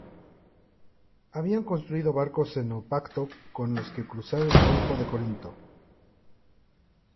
Habían construido barcos en Naupacto con los que cruzar el Golfo de Corinto.